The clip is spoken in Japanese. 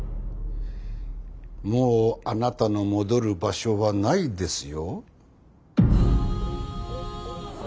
もうあなたの戻る場所はないですよ。